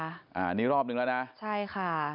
อันนี้รอบนึงแล้วนะใช่ค่ะ